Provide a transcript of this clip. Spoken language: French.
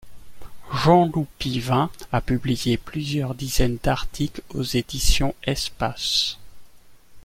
Jean Loup Pivin a publié plusieurs dizaines d’articles aux Éditions Espaces.